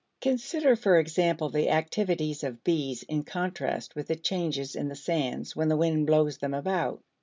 Consider for example the activities of bees in contrast with the changes in the sands when the wind blows them about.